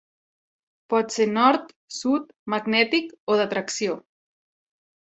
Pot ser nord, sud, magnètic o d'atracció.